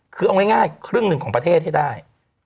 คือเอาง่ายครึ่งหนึ่งของประเทศให้ได้